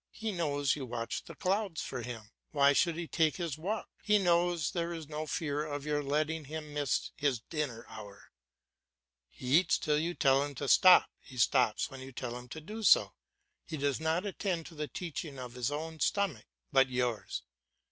He knows you watch the clouds for him. Why should he time his walk? He knows there is no fear of your letting him miss his dinner hour. He eats till you tell him to stop, he stops when you tell him to do so; he does not attend to the teaching of his own stomach, but yours.